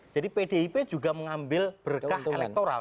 jadi pdip juga mengambil berkah elektoral